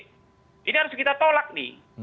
jadi ini harus kita tolak nih